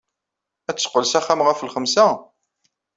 Ad d-teqqel s axxam ɣef lxemsa?